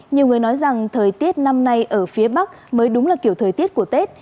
nhiều người nói rằng thời tiết năm nay ở phía bắc mới đúng là kiểu thời tiết của tết